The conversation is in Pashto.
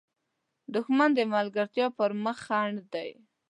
دښمن د ملګرتیا پر مخ خنډ دی